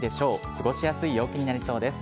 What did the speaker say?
過ごしやすい陽気になりそうです。